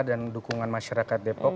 dan dukungan masyarakat depok